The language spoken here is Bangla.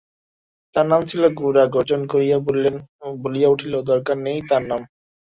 তাঁর নাম ছিল– গোরা গর্জন করিয়া বলিয়া উঠিল, দরকার নেই তাঁর নাম।